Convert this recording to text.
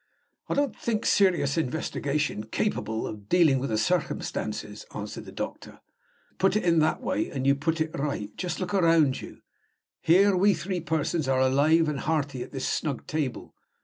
"I don't think serious investigation capable of dealing with the circumstances," answered the doctor. "Put it in that way, and you put it right. Just look round you. Here we three persons are alive and hearty at this snug table.